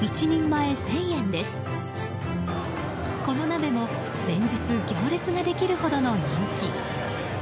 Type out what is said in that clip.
この鍋も連日、行列ができるほどの人気。